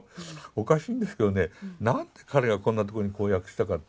おかしいんですけどね何で彼がこんなとこにこう訳したかって。